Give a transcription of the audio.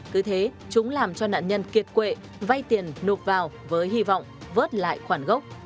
cứ thế chúng làm cho nạn nhân kiệt quệ vay tiền nộp vào với hy vọng vớt lại khoản gốc